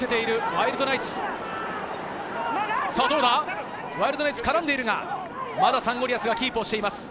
ワイルドナイツ、絡んでいるが、まだサンゴリアスがキープしています。